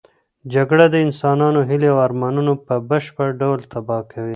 جګړه د انسانانو هیلې او ارمانونه په بشپړ ډول تباه کوي.